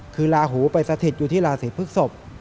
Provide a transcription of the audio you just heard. คือลาหูไปสถิตอยู่ที่ราศีพฤกษก